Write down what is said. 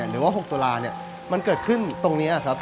หรือว่า๖ตุลาเนี่ยมันเกิดขึ้นตรงนี้ครับ